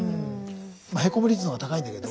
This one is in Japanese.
へこむ率の方が高いんだけど。